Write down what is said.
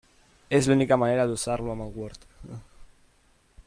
És l'única manera d'usar-lo amb el Word.